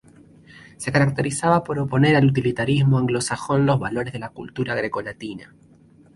Se caracterizaba por oponer al utilitarismo anglosajón los valores de la cultura greco-latina.